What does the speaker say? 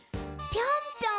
ぴょんぴょん？